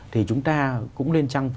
thì chúng ta cũng nên chăng